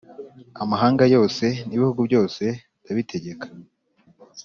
amahanga yose, n’ibihugu byose ndabitegeka